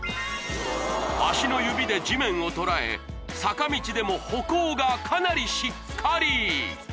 足の指で地面をとらえ坂道でも歩行がかなりしっかり！